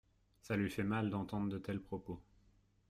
Ça lui fait mal d’entendre de tels propos.